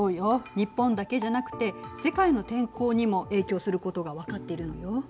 日本だけじゃなくて世界の天候にも影響することが分かっているのよ。